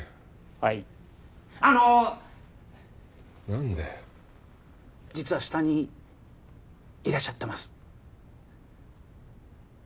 はいあの何だよ実は下にいらっしゃってます